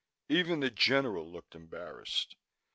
Even the General looked embarrassed.